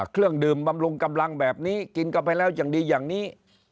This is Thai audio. เครื่องดื่มบำรุงกำลังแบบนี้กินกันไปแล้วอย่างดีอย่างนี้